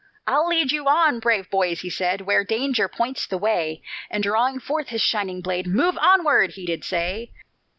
"I'll lead you on, brave boys," he said, "Where danger points the way;" And drawing forth his shining blade, "Move onward!" he did say.